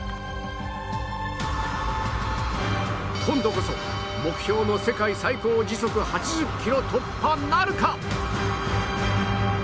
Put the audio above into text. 今度こそ目標の世界最高時速８０キロ突破なるか？